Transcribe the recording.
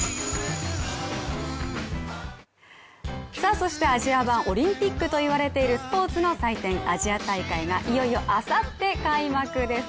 そしてアジア版オリンピックといわれるスポーツの祭典、アジア大会がいよいよあさって開幕です。